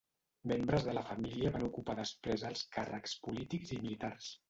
Membres de la família van ocupar després alts càrrecs polítics i militars.